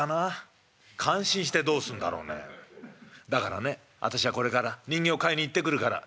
だからね私はこれから人形を買いに行ってくるから」。